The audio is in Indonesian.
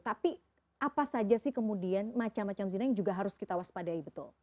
tapi apa saja sih kemudian macam macam zina yang juga harus kita waspadai betul